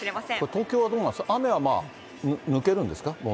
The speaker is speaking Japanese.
東京はどうなんですか、雨は抜けるんですか？